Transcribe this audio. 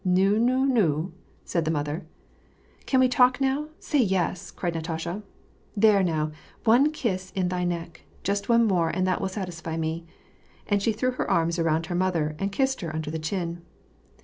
" Nu, nu, nu," said the mother. "Can we talk now? Say yes!" cried Natasha. "There now, one kiss in thy neck ; just one more, and that will satisfy me !" and she threw her arms around her mother, and kissed her under the chin.